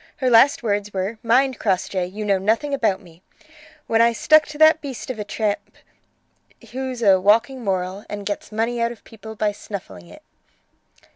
Her last words were: 'Mind, Crossjay, you know nothing about me', when I stuck to that beast of a tramp, who's a 'walking moral,' and gets money out of people by snuffling it."